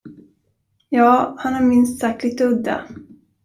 Ja, han är minst sagt lite udda.